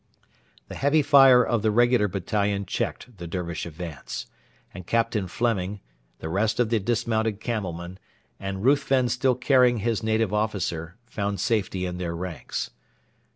The heavy fire of the regular battalion checked the Dervish advance, and Captain Fleming, the rest of the dismounted camel men, and Ruthven still carrying his native officer, found safety in their ranks.